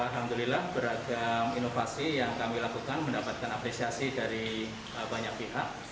alhamdulillah beragam inovasi yang kami lakukan mendapatkan apresiasi dari banyak pihak